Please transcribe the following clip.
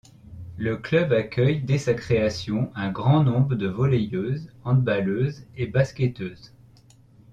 Le club accueille dès sa création un grand nombre de volleyeuses, handballeuses et basketteuses.